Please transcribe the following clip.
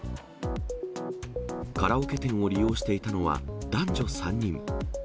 カラオケ店を利用していたのは男女３人。